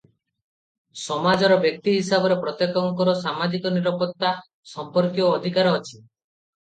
ସମାଜର ବ୍ୟକ୍ତି ହିସାବରେ ପ୍ରତ୍ୟେକଙ୍କର ସାମାଜିକ ନିରାପତ୍ତା ସମ୍ପର୍କୀୟ ଅଧିକାର ଅଛି ।